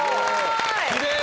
きれい！